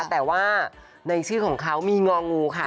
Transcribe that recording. แต่ว่าในชื่อของเขามีงองูค่ะ